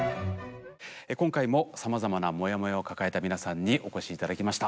今回も、さまざまなモヤモヤを抱えた皆さんにお越しいただきました。